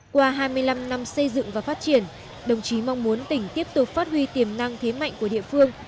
qua hai mươi năm năm xây dựng và phát triển đồng chí mong muốn tỉnh tiếp tục phát huy tiềm năng thế mạnh của địa phương